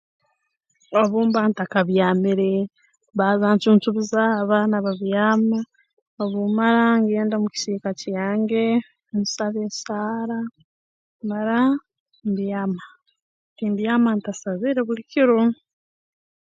Obu mba ntakabyamire mbanza ncuncubizaaho abaana babyama obu mara ngenda mu kisiika kyange nsaba esaara mmara mbyama timbyama ntasabire buli kiro